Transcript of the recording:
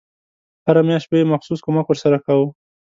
هره میاشت به یې مخصوص کمک ورسره کاوه.